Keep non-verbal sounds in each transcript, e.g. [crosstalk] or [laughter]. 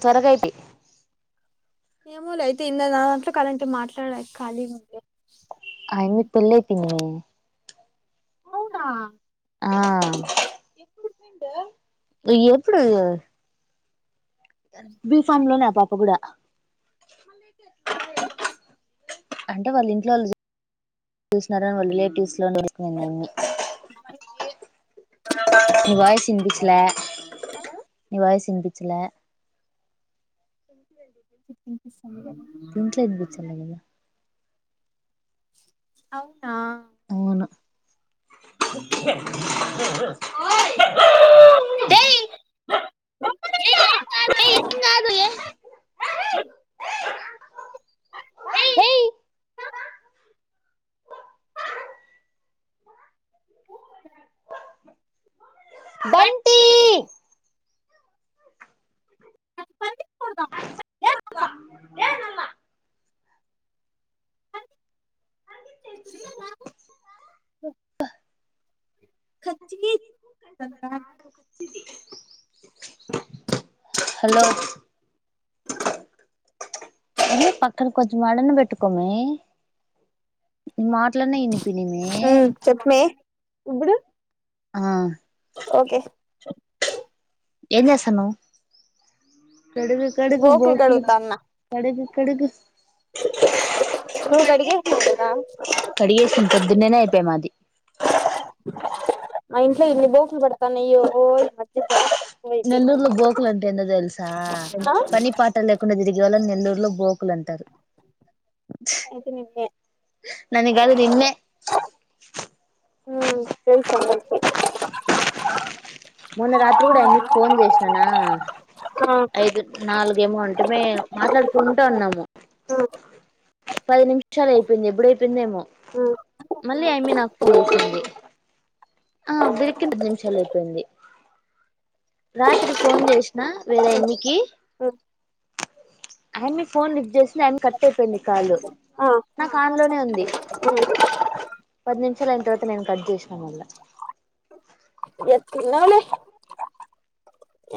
త్వరగైపి ఏమో లేయితే ఇన్న దాదంట్లో క అలాంటి మాట్లాడ కలిగిఉంటే ఆయన్ని పెళ్ళి అయిపోయింది మే అవునా ఆ ఎప్పుడు బి ఫామ్ లోనే ఆ పాప కూడా అంటే వాళ్ళు ఇంట్లో వాళ్ళు చూసినారని వాళ్ళు రిలేటివ్స్ లో చేసుకునింది ఆ అమ్మి నీ వాయిస్ ఇనిపించాలా వినిపించేలా దీంట్లో వినిపించలే కదా అ అవునా తె హే బంటి ఏ అమ్మా చ్చపోచ్చది హలో ఏ పక్కన కొంచం మడన్న పెట్టుకోమే మాట్లన్న ఇని హ చెపుమే ఇప్పుడు ఆ ఓకే ఎం చేస్తున్నావు కడుగు కడుగు బోకులు బోక్లికి కడుగుతాన్న కడుగు కడుగు ఏదా కడిగేసిన్ పొద్దున్నేనే అయ్పా మాది. మ ఇంట్లో ఎన్ని బోకుల్ బడతాన్నయ్యో ఓ ఈ మద్య జా. నెల్లూర్లొ బోకులంటె ఎందో దెల్సా అ ఆ పని పాట లేకుండా దిర్గే వాళ్ళన్ నే. లూర్లో బోకులంటారు. ఛ్ ఐతే నిన్నే నన్ని గాదు నిన్నే. ఉమ్ తెల్సామెకి. మొన్న రాత్రి గూడైమ్మికి ఫోన్ జేష్ననా. ఉమ్ ఆ ఐదు నాలుగ్. దేమో అంటెమే మాట్లాడుకుంట ఉన్నాము. ఉమ్ పది నిమ్షాలైపెయ్ంది ఎబ్బుడైపెయ్ందో ఏమొ ఉమ్ మళ్ళీ ఐమ్మి నాక్ ఫోన్ జేసింది. ఆ బిరిక్కిన్ పది నిమిషాలైపెయ్ంది. రాత్రి ఫోన్ జేష్న వేరే ఎన్నికి. ఉమ్ ఐమ్ని ఫోన్ లిఫ్ జేసింది ఐమ్ని కట్టైపోయింది కాలు అ ఆ అ నాకాన్లోనే ఉంది. ఉమ్ పద్ నిమ్షాలైన్ తర్వాత నేన్ కట్ జేష్. గమళ్ళ. ఎత్తిన్నావ్లె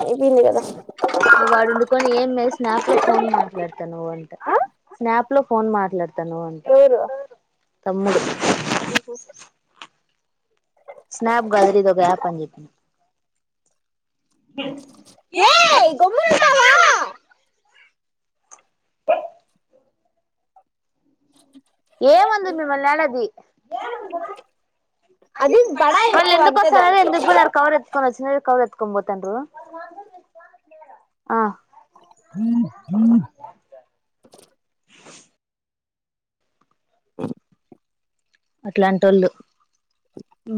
అయ్పైంది కద. గ వాడుండుకొని ఏమ్మె స్నాప్లొ ఫోన్ మాట్లడతనావు అంట అ ఆ అ స్నాప్. లో ఫోన్ మట్లేదు దనువంత ఎవ్రు ఎవరు ఎవ్రు తమ్ముడు. స్నాప్ గాదిర ఇదొగ యాప్ అన్ జెప్పిన. ఏయ గొమ్మన ఉంటావా ఏమందు మిమ్మల్నాడది అది బడా ఎక్కువ అంతే మళ్ళెందుకొస్తన్నారు దానికి ఎందుకు బొయ్నారు కవరెత్కొనొచ్చినర్ కవ్రెత్తు. కొంబోతాండ్రు అ హ హ స అట్లాంటొళ్ళు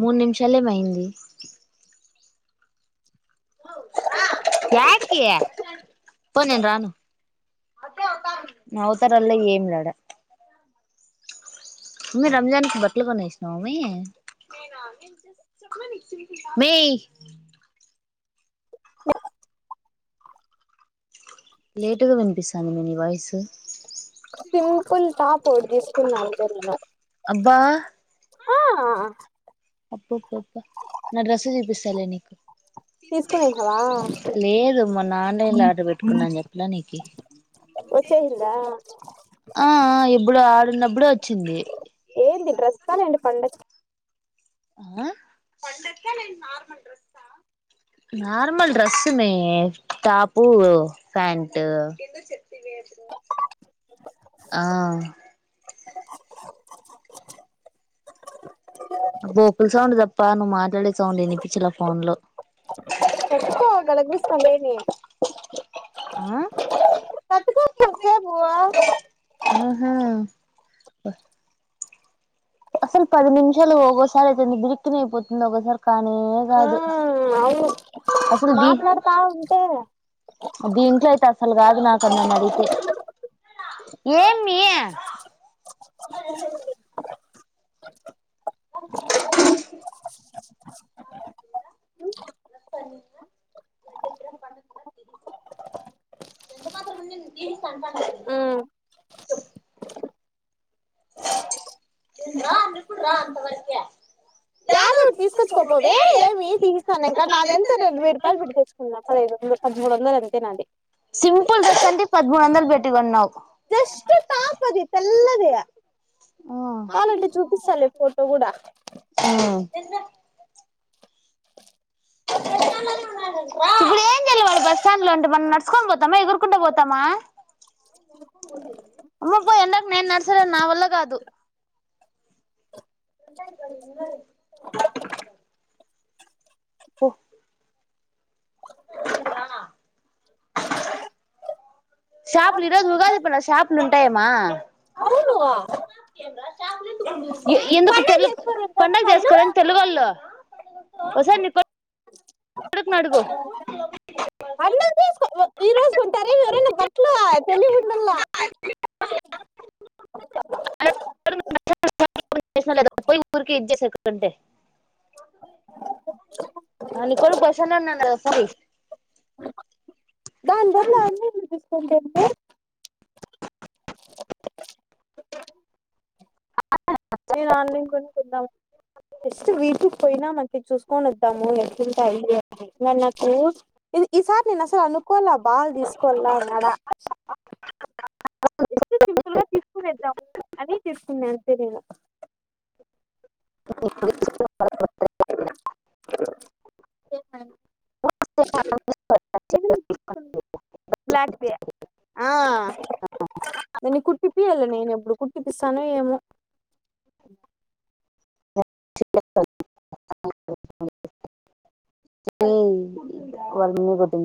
మూడ్ నిమ్షాలేమైంది యాటికి కి పో నేన్ రాను మ్ అవ్తారాల్లా ఏంలాడ. మె రంజాన్ కి బట్లు కొనేస్నవ మే నేన నేన్ చ్ చెప్ల [unintelligible] మె. లేటుగ వినిపిస్తాంది మె ని వాయ్సు. సింపుల్ టాపు ఒగిట్ తీస్కున్న అబ్బా [unintelligible] అప్పొప్పొప్. న డ్రస్సు జూపిస్తాలె నీకు తీస్కునేసావా తీసుకునేసినవా లేదు మొన్న ఆన్లైన్లొ ఆడ్ర్ పెట్టుకున్నా అన్ చెప్పలా నీకి ఒరేయ్ వచ్చేసిందా అ అ ఎబ్. ప్పుడు ఆడునబ్బుడే వొచ్చింది. ఏంది డ్రెస్క లేదంటె పండక్ ఆ పండక్క లేదంటె నార్మల్ డ్రెస్స నార్మల్ డ్రస్సు మే టాపు ప్యాంటు కింద [unintelligible] ఆ. అ బోకుల్ సౌండ్ దప్ప నువ్ మాట్లాడే సౌండ్ ఇనిపిచ్చలా ఫోన్లొ. చెప్పు [unintelligible] డేమి. ఆ [unintelligible] ఆహా అసలు పది నిమిషాలు ఒగోసారి ఎంత బిరిగ్గిన అయిపోతుంది అసలు కానే కాదు అవును అసలు బి మాట్లాడతా ఉంటే దీ ఇంట్లో అయితే అసలు కాదు నాకు నన్ను అడిగితే ఏమి హ [inaudible] ఎంత మాత్రం ఉమ్ [inaudible] చెప్పు రా అన్నప్పుడు రా అంతవరకే యాదోటి తెచ్చుకోపోవే ఏమి తీసిస్తాను ఇంకా నాది ఎంత రం వేయి రూపాయలు పెట్టి తెచ్చుకున్నా పదిహదు వందలు పదమూడు వందలు అంతే నాది సింపల్ డ్రెస్ అంటే పదమూడు వందల్ బెట్టి కొన్నావు జస్ట్ టాప్ అది తెల్లది కావాలిఅంటే చూపిస్తా లే ఫోటో కూడా ఇప్పుడు ఏంచేయాలి వాడు బస్ స్టాండ్ లో అంటే మనం నడుచుకొని పోతామా ఎగురుకుంటా పోతామా అమ్మ పో ఎండకు నేను నడసలేను నా వల్ల కాదు [unintelligible] ఓ [unintelligible] రానా షాపులు ఈరోజు ఉగాది పండుగ షాపులు ఉంటాయ మ అవును ఎందుకు పండుగ చేసుకోరు కదా పండగ వాళ్ళు చేసుకోరా తెలుగోళ్ళు వాళ్ళు ఒకసారి నీ కొడుకు నీ అడుగు పండుగ చేసుకో ఈ రోజు కొంటారు ఎవరైనా బట్టలు తెలివి ఉండాల దాని బదులు ఆన్లైన్ [unintelligible] తీసుకుంటే అ నేను ఆన్నీ కొనుకుందామని జస్ట్ వీటికి పోయినా మనకి చూసుకొని వద్దాము అని ఎట్లుంటాయి అని నాకు ఈసారి నేను అసలు అనుకోలే బాగా తీసుకోవాలా అన్నాడా [inaudible] అనీ తీసుకున్నా అంతే నేను [inaudible] [inaudible] బ్లాక్ ది ఆ [inaudible] దాన్ని కుట్టిపియాల నేను ఎప్పుడు కుట్టిపిస్తానో ఏమో [inaudible]